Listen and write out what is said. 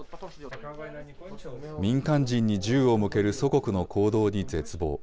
民間人に銃を向ける祖国の行動に絶望。